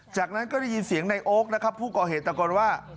จากนั้นก็ได้ยินเสียงในโอ๊คนะครับผู้ก่อเหตุตะโกนว่า